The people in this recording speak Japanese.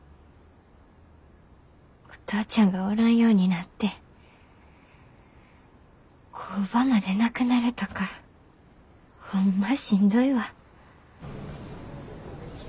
お父ちゃんがおらんようになって工場までなくなるとかホンマしんどいわ。